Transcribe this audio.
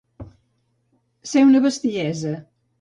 Ser una bestiesa.